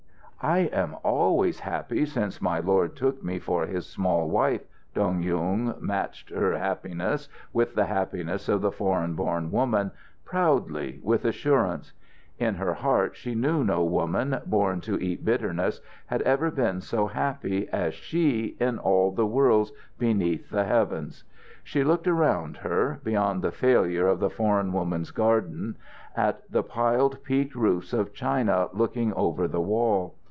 "I am always happy since my lord took me for his small wife." Dong Yung matched her happiness with the happiness of the foreign born woman, proudly, with assurance. In her heart she knew no woman, born to eat bitterness, had ever been so happy as she in all the worlds beneath the heavens. She looked around her, beyond the failure of the foreign woman's garden, at the piled, peaked roofs of China looking over the wall.